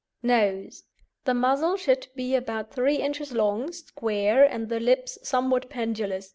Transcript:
NOSE The muzzle should be about three inches long, square, and the lips somewhat pendulous.